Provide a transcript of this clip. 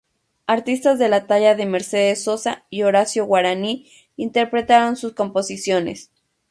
Artistas de la talla de Mercedes Sosa y Horacio Guarany interpretaron sus composiciones.